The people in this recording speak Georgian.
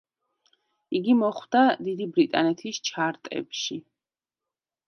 იგი მოხვდა დიდი ბრიტანეთის ჩარტებში.